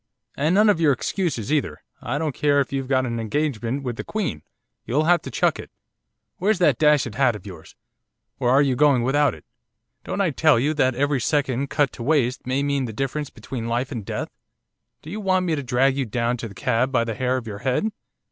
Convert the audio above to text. And none of your excuses either! I don't care if you've got an engagement with the Queen, you'll have to chuck it. Where's that dashed hat of yours, or are you going without it? Don't I tell you that every second cut to waste may mean the difference between life and death? Do you want me to drag you down to the cab by the hair of your head?